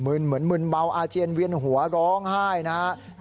เหมือนมึนเมาอาเจียนเวียนหัวร้องไห้นะครับ